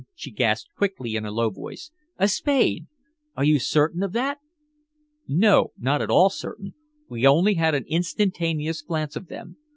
she gasped quickly in a low voice. "A spade! Are you certain of that?" "No, not at all certain. We only had an instantaneous glance of them.